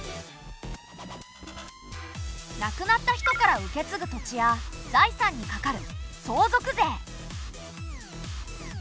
亡くなった人から受けつぐ土地や財産にかかる相続税。